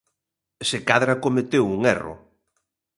Se cadra cometeu un erro.